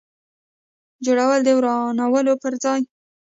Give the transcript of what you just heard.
جوړول د ورانولو پر ځای.